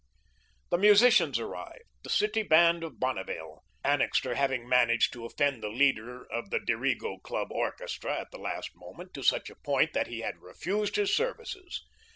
The musicians arrived, the City Band of Bonneville Annixter having managed to offend the leader of the "Dirigo" Club orchestra, at the very last moment, to such a point that he had refused his services.